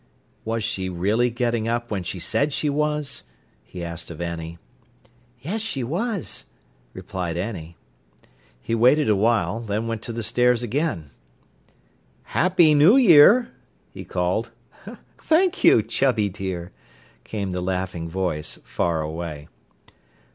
"Was she really getting up when she said she was?" he asked of Annie. "Yes, she was," replied Annie. He waited a while, then went to the stairs again. "Happy New Year," he called. "Thank you, Chubby dear!" came the laughing voice, far away.